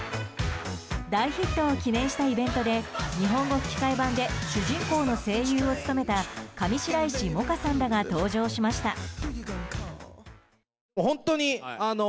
大ヒットを記念したイベントで日本語吹き替え版で主人公の声優を務めた上白石萌歌さんらが登場しました。